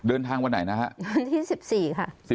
เดินทางวันไหนนะฮะวันที่๑๔ค่ะ